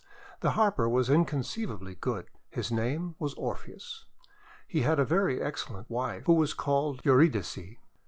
The Harper was inconceivably good. His name was Orpheus. He had a very excellent wife, who was called Eurydice.